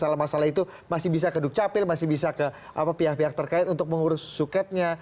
masalah masalah itu masih bisa ke dukcapil masih bisa ke pihak pihak terkait untuk mengurus suketnya